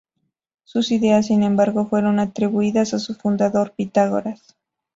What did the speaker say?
Sus ideas, sin embargo, fueron atribuidas a su fundador, Pitágoras.